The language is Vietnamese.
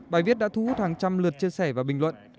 bài viết đã thu hút hàng trăm lượt chia sẻ và bình luận